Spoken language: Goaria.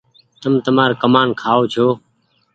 تم تمآر ڪمآن کآئو ڇو